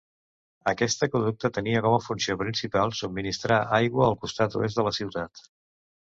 Aquest aqüeducte tenia com a funció principal subministrar aigua al costat oest de la ciutat.